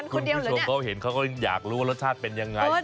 คุณผู้ชมเขาก็อยากรู้รสชาติเป็นยังไง